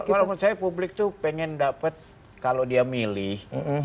kalau menurut saya publik tuh pengen dapat kalau dia milih